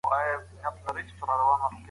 ما مڼه وخوړله.